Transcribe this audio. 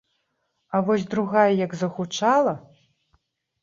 А вось другая як загучала!!!